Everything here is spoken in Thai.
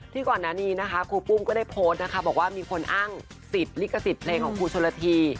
ก่อนหน้านี้นะคะครูปุ้มก็ได้โพสต์นะคะบอกว่ามีคนอ้างสิทธิ์ลิขสิทธิ์เพลงของครูชนละที